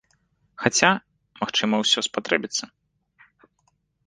Хаця, магчыма ўсё спатрэбіцца.